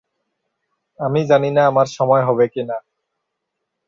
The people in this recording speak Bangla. আমি জানিনা আমার সময় হবে কি না।